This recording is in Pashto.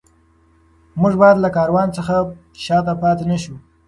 موږ باید له کاروان څخه شاته پاتې نه شو.